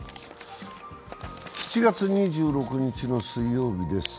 ７月２６日の水曜日です。